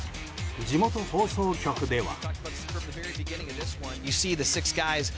地元放送局では。